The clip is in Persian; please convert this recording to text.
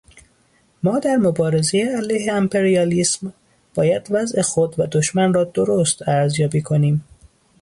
ما در مبارزهٔ علیه امپریالیسم باید وضع خود و دشمن را درست ارزیابی کنیم.